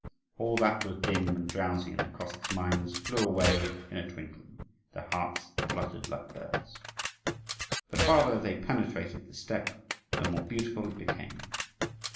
All that was dim and drowsy in the Cossacks' minds flew away in a twinkling: their hearts fluttered like birds. The farther they penetrated the steppe, the more beautiful it became.